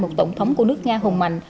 một tổng thống của nước nga hùng mạnh